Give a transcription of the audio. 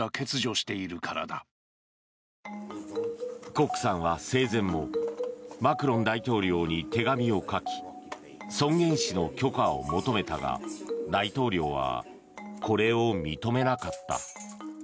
コックさんは生前もマクロン大統領に手紙を書き尊厳死の許可を求めたが大統領はこれを認めなかった。